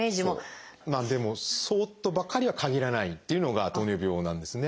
でもそうとばかりは限らないというのが糖尿病なんですね。